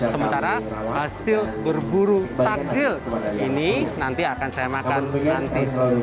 sementara hasil berburu takjil ini nanti akan saya makan nanti